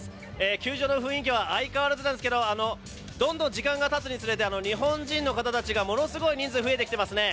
球場の雰囲気は相変わらずなんですけどどんどん時間がたつにつれて日本人の方たちがものすごい人数増えてきてますね。